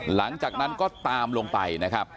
หลังจากนั้นก็ตามลงไปนะครับ